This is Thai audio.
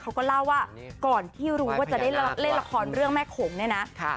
เขาก็เล่าว่าก่อนที่รู้ว่าจะได้เล่นละครเรื่องแม่ขงเนี่ยนะ